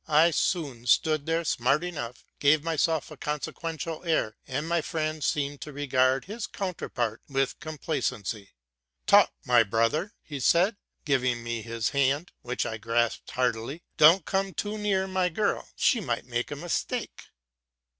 I soon stood there smart enough, gave myself a consequential air, and my friend seemed to regard his counterpart with complacency. '' Topp,? Mr. Brother!'' said he, giving me his hand, which I grasped heartily: '*' don't come too near my girl; she might make a mistake